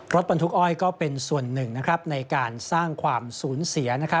รถบรรทุกอ้อยก็เป็นส่วนหนึ่งในการสร้างความสูญเสีย